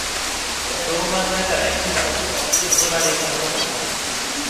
評判だから行ったのに、そそられるものがない